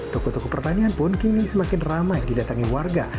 tuku tuku pertanian pun kini semakin ramai didatangi warga